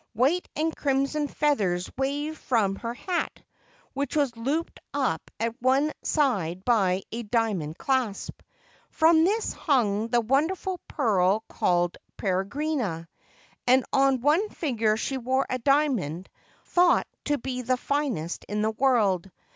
White and crimson feathers waved from her hat, which was looped up at one side by a dia mond clasp. From this hung the wonderful pearl called Peregrina, and on one finger she wore a diamond, thought to be the finest in the world.